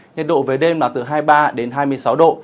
nhật độ về đêm là từ hai mươi ba hai mươi sáu độ